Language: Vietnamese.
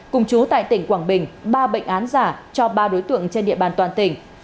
cùng chú tại tỉnh quảng bình ba bệnh án giả cho ba đối tượng trên địa bàn toàn tỉnh